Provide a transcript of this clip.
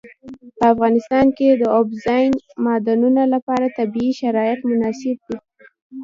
په افغانستان کې د اوبزین معدنونه لپاره طبیعي شرایط مناسب دي.